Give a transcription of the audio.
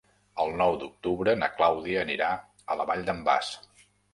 El nou d'octubre na Clàudia anirà a la Vall d'en Bas.